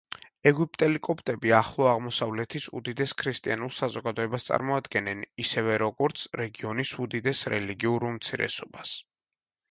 ეგვიპტელი კოპტები ახლო აღმოსავლეთის უდიდეს ქრისტიანულ საზოგადოებას წარმოადგენენ, ისევე როგორც რეგიონის უდიდეს რელიგიურ უმცირესობას.